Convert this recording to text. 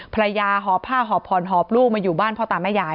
ภรรยาหอบผ้าหอบพรหอบลูกมาอยู่บ้านพ่อตาแม่ยาย